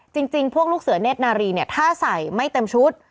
จริงพวกลูกเสือเนธนารีเนี่ยถ้าใส่ไม่เต็มชุด